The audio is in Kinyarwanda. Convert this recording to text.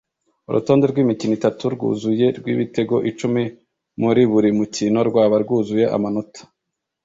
Urutonde rwimikino itatu rwuzuye rwibitego icumi muri buri mukino rwaba rwuzuye amanota